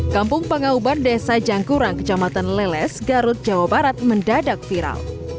kampung pangauban desa jangkurang kecamatan leles garut jawa barat mendadak viral